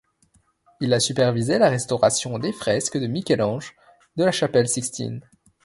Il a supervisé la restauration des fresques de Michel Ange de la Chapelle Sixtine.